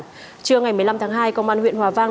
trưa ngày một mươi năm tháng hai công an huyện hòa vang